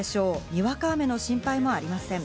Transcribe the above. にわか雨の心配もありません。